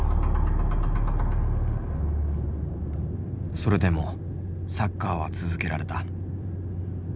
それでもサッカーは続けられた。